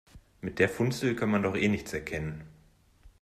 Mit der Funzel kann man doch nichts erkennen.